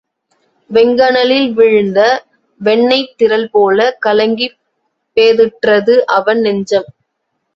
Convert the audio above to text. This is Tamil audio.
வெங்கனலில் வீழ்ந்த வெண்ணெய்த் திரள்போலக் கலங்கிப் பேதுற்றது அவன் நெஞ்சம்.